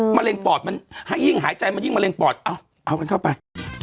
มะเร็งปอดมันให้ยิ่งหายใจมันยิ่งมะเร็งปอดเอากันเข้าไป